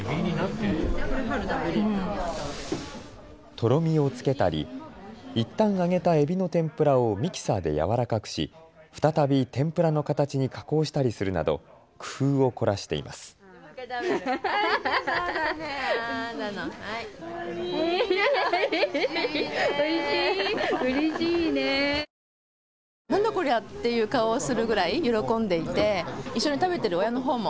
とろみをつけたり、いったん揚げたエビの天ぷらをミキサーでやわらかくし再び天ぷらの形に加工したりするなど工夫を凝らしています。